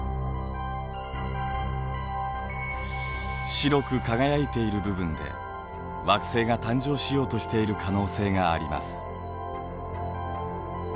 白く輝いている部分で惑星が誕生しようとしている可能性があります。